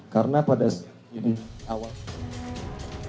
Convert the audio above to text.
karena pada sidang awal